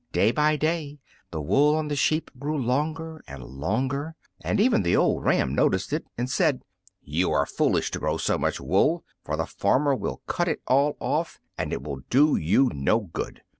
Day by day the wool on the sheep grew longer and longer, and even the old ram noticed it and said, "You are foolish to grow so much wool, for the farmer will cut it all off, and it will do you no good.